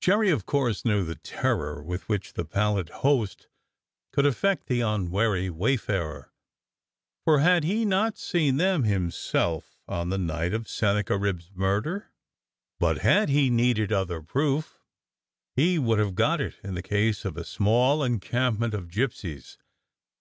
Jerry of course knew the terror with which the pallid host could affect the unwary wayfarer — for had he not seen them himself on the night of Sennacherib's murder .^^— but had he needed other proof he would have got it in the case of a small encampment of gypsies.